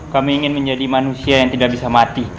kami ingin menjadi manusia yang tidak bisa mati